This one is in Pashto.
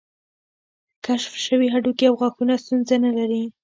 کشف شوي هډوکي او غاښونه ستونزه نه لرله.